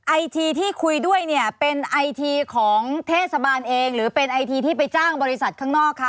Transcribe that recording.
ไอทีที่คุยด้วยเนี่ยเป็นไอทีของเทศบาลเองหรือเป็นไอทีที่ไปจ้างบริษัทข้างนอกคะ